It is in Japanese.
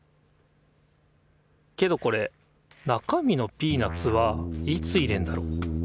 けどこれ中身のピーナッツはいつ入れんだろ？